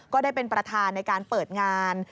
ก็ได้เป็นประธานในการเปิดงาน